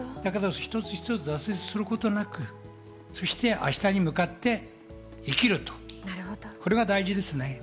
一つ一つ、挫折することなく、明日に向かって生きる、これが大事ですね。